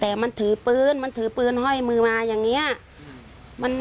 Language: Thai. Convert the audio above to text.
แต่มันถือปืนมันไม่รู้นะแต่ตอนหลังมันจะยิงอะไรหรือเปล่าเราก็ไม่รู้นะ